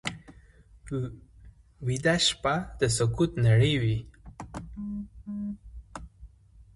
ویده شپه د سکوت نړۍ وي